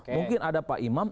mungkin ada pak imam